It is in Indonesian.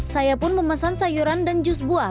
saya pun memesan sayuran dan jus buah